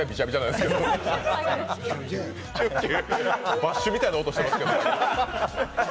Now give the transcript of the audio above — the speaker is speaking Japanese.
バッシュみたいな音してますよね。